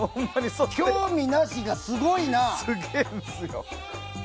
興味なしがすごいな！